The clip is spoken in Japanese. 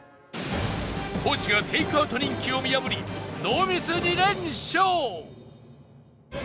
トシがテイクアウト人気を見破りノーミス２連勝